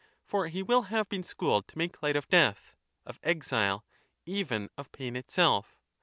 For he will have been schooled to make light of death, of exile, even of pain itself.